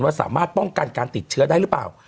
สามารถป้องกันการติดเชื้อได้หรือเปล่า